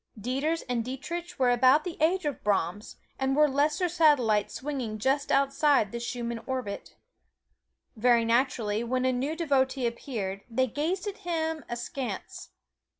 Dieters and Dietrich were about the age of Brahms, and were lesser satellites swinging just outside the Schumann orbit. Very naturally when a new devotee appeared, they gazed at him askance.